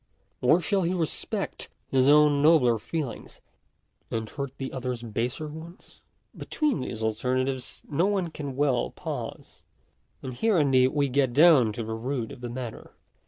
or shall he respect his own nobler feelings, and hurt the other's baser ones ? Between these al ternatives no one can well pause. And here indeed we get down to the root of the matter.